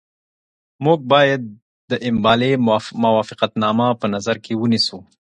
موږ باید د امبالې موافقتنامه په نظر کې ونیسو.